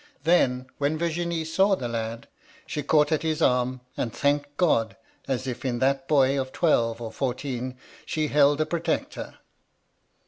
Then, when Vir ginie saw the lad, she caught at his arm, and thanked God, as if in that boy of twelve or fourteen she held a protector.